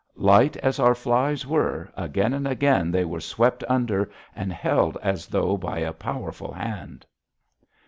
Light as our flies were, again and again they were swept under and held as though by a powerful hand.